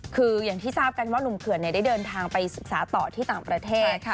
คืออย่างที่ทราบกันว่านุ่มเขื่อนได้เดินทางไปศึกษาต่อที่ต่างประเทศ